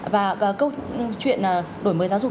và câu chuyện đổi mới giáo dục